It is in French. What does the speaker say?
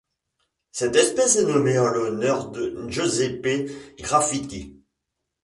Cette espèce est nommée en l'honneur de Giuseppe Grafitti.